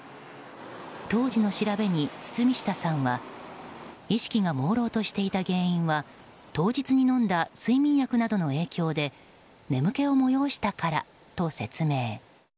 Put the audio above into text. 当時の調べに、堤下さんは意識がもうろうとしていた原因は当日に飲んだ睡眠薬などの影響で眠気を催したからと説明。